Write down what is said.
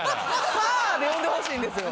「さあ！」で呼んでほしいんですよ。